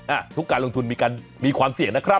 ทุกการลงทุนมีการมีความเสี่ยงนะครับ